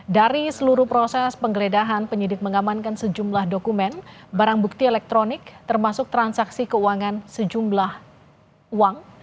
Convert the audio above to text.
dari seluruh proses penggeledahan penyidik mengamankan sejumlah dokumen barang bukti elektronik termasuk transaksi keuangan sejumlah uang